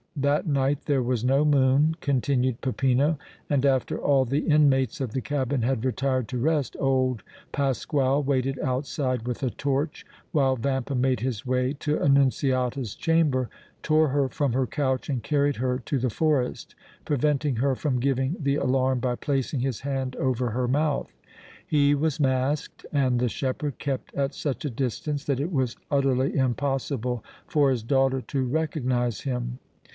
"That night there was no moon," continued Peppino, "and, after all the inmates of the cabin had retired to rest, old Pasquale waited outside with a torch while Vampa made his way to Annunziata's chamber, tore her from her couch and carried her to the forest, preventing her from giving the alarm by placing his hand over her mouth. He was masked and the shepherd kept at such a distance that it was utterly impossible for his daughter to recognize him.